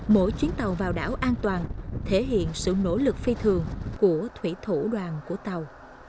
mỗi chuyến tàu vào đảo an toàn thể hiện sự nỗ lực phi thường của thủy thủ đoàn của tàu